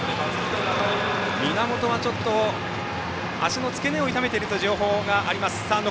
源は足の付け根をいためているという情報があります。